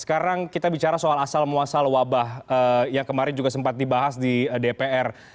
sekarang kita bicara soal asal muasal wabah yang kemarin juga sempat dibahas di dpr